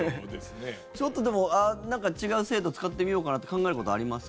ちょっと、でもなんか違う制度使ってみようかなって考えることあります？